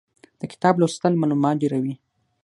د کتاب لوستل مالومات ډېروي.